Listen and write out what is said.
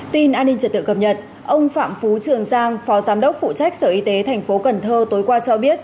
tin an ninh trật tự cập nhật ông phạm phú trường giang phó giám đốc phụ trách sở y tế tp cần thơ tối qua cho biết